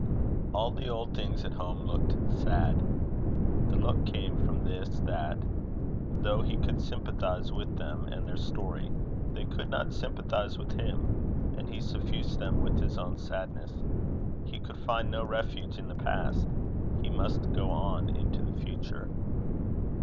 All the old things at home looked sad. The look came from this, that, though he could sympathize with them and their story, they could not sympathize with him, and he suffused them with his own sadness. He could find no refuge in the past; he must go on into the future.